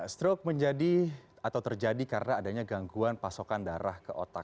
stroke menjadi atau terjadi karena adanya gangguan pasokan darah ke otak